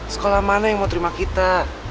sekolah mana yang mau terima kita